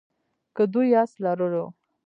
که دوی آس لرلو.